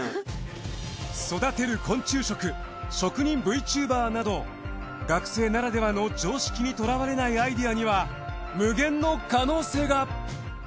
育てる昆虫食職人Ｖチューバーなど学生ならではの常識にとらわれないアイデアには無限の可能性が！